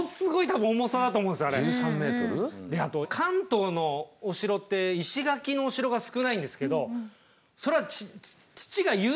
あと関東のお城って石垣のお城が少ないんですけどそれは土が優秀ってことですよね。